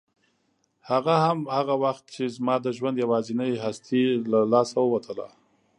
هغه هم هغه وخت چې زما د ژوند یوازینۍ هستي له لاسه ووتله.